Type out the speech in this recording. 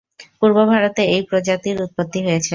পূর্ব ভারতে এই প্রজাতির উৎপত্তি হয়েছে।